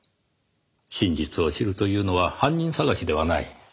真実を知るというのは犯人捜しではない。